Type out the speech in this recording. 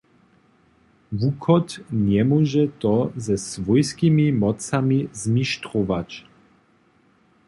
Wuchod njemóže to ze swójskimi mocami zmištrować.